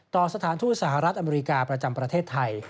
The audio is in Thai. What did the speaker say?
ต่อสถานทูตสหรัฐอเมริกาประจำประเทศไทย